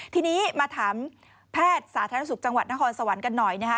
ทีนี้มาถามแพทย์สาธารณสุขจังหวัดนครสวรรค์กันหน่อยนะคะ